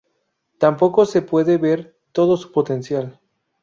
Tampoco se puede ver todo su potencial.